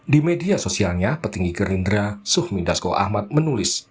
di media sosialnya petinggi gerindra suhmi dasko ahmad menulis